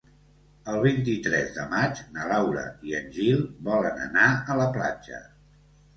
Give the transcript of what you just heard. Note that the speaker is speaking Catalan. El vint-i-tres de maig na Laura i en Gil volen anar a la platja.